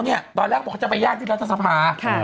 ตอนแรกเขาบอกว่าจะไปย่างที่รัฐสภาคม